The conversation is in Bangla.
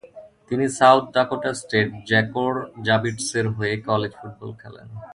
তিনি সাউথ ডাকোটা স্টেট জ্যাকর্যাবিটসের হয়ে কলেজ ফুটবল খেলেন।